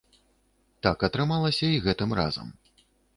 Так атрымалася і гэтым разам.